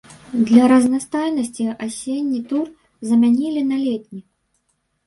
Для разнастайнасці асенні тур замянілі на летні.